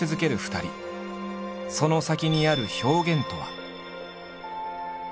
その先にある表現とは。